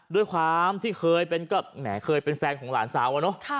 ด้วยความที่เคยเป็นก็แหมเคยเป็นแฟนของหลานสาวอะเนาะ